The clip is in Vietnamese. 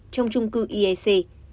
trong trung cư iec